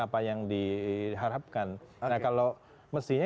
apa yang diharapkan nah kalau mestinya